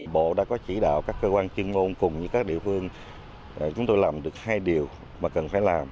bộ đã có chỉ đạo các cơ quan chuyên ngôn cùng với các địa phương chúng tôi làm được hai điều mà cần phải làm